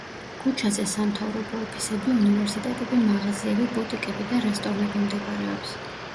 ქუჩაზე სამთავრობო ოფისები, უნივერსიტეტები, მაღაზიები, ბუტიკები და რესტორნები მდებარეობს.